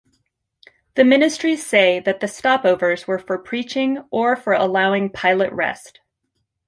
The ministries say that the stopovers were for preaching or for allowing pilot rest.